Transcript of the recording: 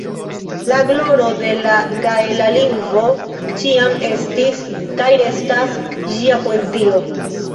La gloro de la gaela lingvo ĉiam estis, kaj restas, ĝia poezio.